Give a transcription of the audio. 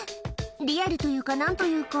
リアルというか、なんというか。